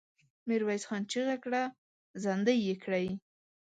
ميرويس خان چيغه کړه! زندۍ يې کړئ!